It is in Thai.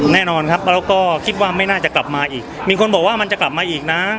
แน่นอนครับแล้วก็คิดว่าไม่น่าจะกลับมาอีกมีคนบอกว่ามันจะกลับมาอีกนะ